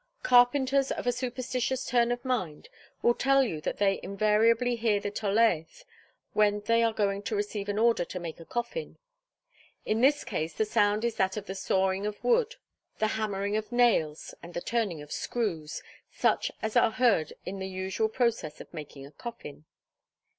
Carpenters of a superstitious turn of mind will tell you that they invariably hear the Tolaeth when they are going to receive an order to make a coffin; in this case the sound is that of the sawing of wood, the hammering of nails, and the turning of screws, such as are heard in the usual process of making a coffin.